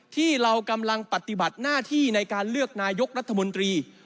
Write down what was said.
ที่เรากำลังปฏิบัติหน้าที่ในการเลือกนายกรัฐมนตรี